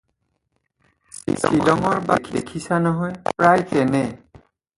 শ্বিলঙৰ বাট দেখিছা নহয়, প্ৰায় তেনে।